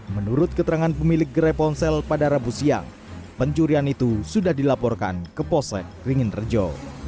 menurut keterangan pemilik gerai ponsel pada rabu siang pencurian itu sudah dilaporkan ke posek ringin rejo